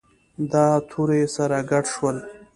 دا توري سره ګډ شول.